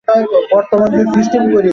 যেয়ে বসে পড়ো।